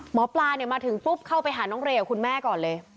หมอปลามาถึงปุ๊บเข้าไปหาน้องเรย์กับคุณแม่ก่อนเลย